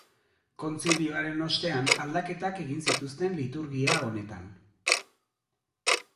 Kontzilioaren ostean aldaketak egin zituzten liturgia honetan.